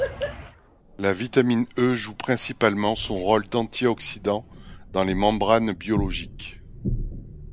La vitamine E joue principalement son rôle d'antioxydant dans les membranes biologiques.